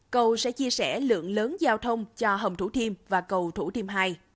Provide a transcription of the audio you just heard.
cầu sẽ chia sẻ lượng lớn giao thông cho hầm thủ thiêm và cầu thủ thiêm hai